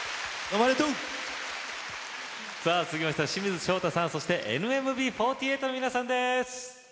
続いては清水翔太さんそしてＮＭＢ４８の皆さんです。